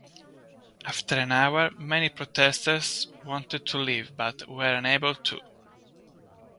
After an hour, many protesters wanted to leave but were unable to.